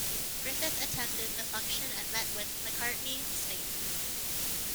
Griffith attended the function and met with Macartney-Snape.